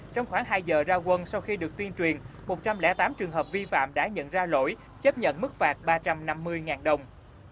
trong khoảng hai giờ ra quân sau khi được tuyên truyền một trăm linh tám trường hợp vi phạm đã nhận ra lỗi chấp nhận mức phạt ba trăm năm mươi đồng